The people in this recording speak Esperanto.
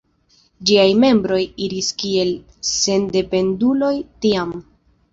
Ĝiaj membroj iris kiel sendependuloj tiam.